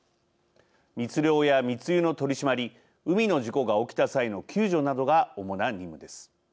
密漁や密輸の取締り海の事故が起きた際の救助などが主な任務です。